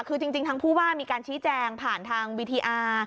คือจริงทางผู้ว่ามีการชี้แจงผ่านทางวีดีอาร์